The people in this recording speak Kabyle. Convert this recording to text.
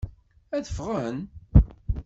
Ad ffɣen?